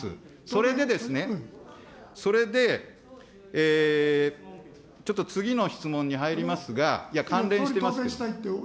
それでですね、それで、ちょっと次の質問に入りますが、いや、関連してますから。